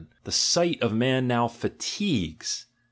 The «iuht of man now fatigues.